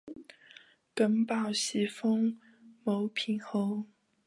耿宝袭封牟平侯。